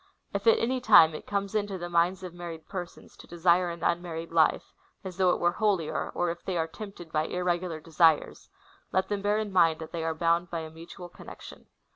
" If at any time it comes into the minds of married persons to desire an unmarried life, as though it were holier, or if they are tempted by irregular desires,^ let them bear in mind that they are bound by a mutual con nection.'"